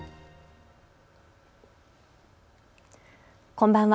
こんばんは。